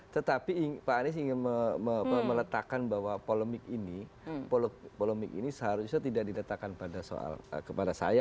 tetapi pak anies ingin meletakkan bahwa polemik ini seharusnya tidak diletakkan kepada saya